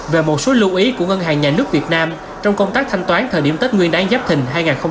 về một số lưu ý của ngân hàng nhà nước việt nam trong công tác thanh toán thời điểm tết nguyên đáng giáp thình hai nghìn hai mươi bốn